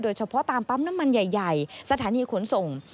เฉพาะตามปั๊มน้ำมันใหญ่สถานีขนส่ง